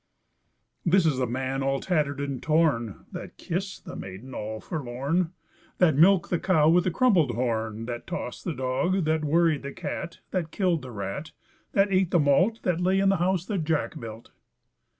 This is the Maiden all forlorn, That milked the Cow with the crumpled horn, That tossed the Dog, That worried the Cat, That killed the Rat, That ate the Malt, That lay in the House that Jack built.